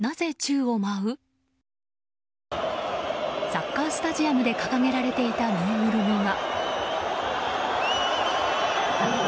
サッカースタジアムで掲げられていたぬいぐるみが。